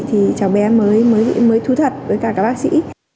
thì cháu bé mới thú thật với cả các bác sĩ